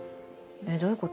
どういうこと？